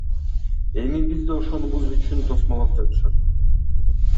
Эми бизди ошонубуз үчүн тосмолоп жатышат.